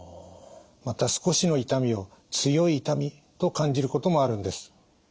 また少しの痛みを強い痛みと感じることもあるんです。